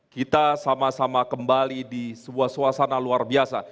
kita sama sama kembali di sebuah suasana luar biasa